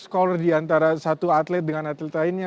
skor skor di antara satu atlet dengan atlet lainnya